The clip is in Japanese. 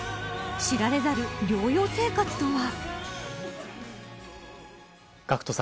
知られざる療養生活とは。